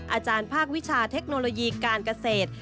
อาจารย์ภาควิชาเทคโนโลยีการเกษตร